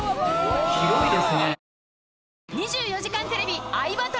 広いですね！